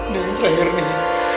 dan yang terakhir nih